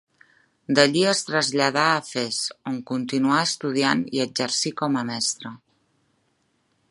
D'allí es traslladà a Fes, on continuà estudiant i exercí com a mestre.